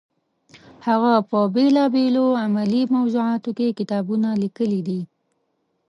هغه په بېلابېلو علمي موضوعاتو کې کتابونه لیکلي دي.